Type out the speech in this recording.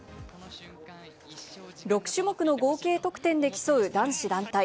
６種目の合計得点で競う男子団体。